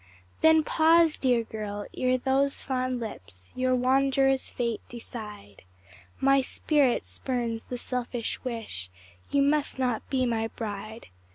Then pause, dear girl! ere those fond lips Your wanderer's fate decide; My spirit spurns the selfish wish You must not be my bride.